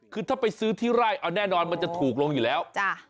คือถ้าไปซื้อที่ไร่เอาแน่นอนมันจะถูกลงอยู่แล้ว